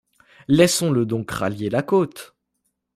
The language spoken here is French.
Laissons-le donc rallier la côte